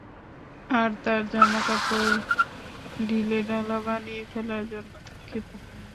আর তার জামাকাপড় ঢিলেঢালা বানিয়ে ফেলার জন্য দুঃখিত।